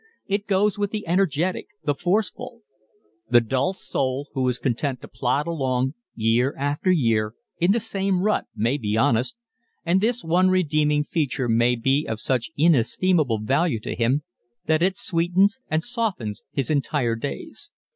It goes with the energetic, the forceful. The dull soul who is content to plod along year after year in the same rut may be honest, and this one redeeming feature may be of such inestimable value to him that it sweetens and softens his entire days.